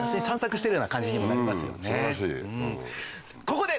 ここで。